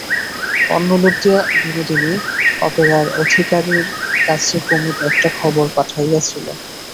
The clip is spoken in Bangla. অন্য লোক দিয়া বিনোদিনী অপেরার অধিকারীর কাছে কুমুদ একটা খবর পাঠাইয়াছিল।